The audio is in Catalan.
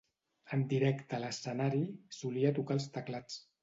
En directe a l'escenari, solia tocar els teclats.